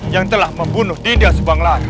yang telah membunuh dinda subang lara